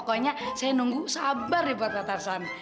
pokoknya saya nunggu sabar ya mba tarsan